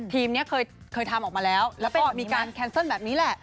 ทีมนี้เคยทำออกมาแล้วแล้วก็มีการแคนเซิลแบบนี้แหละ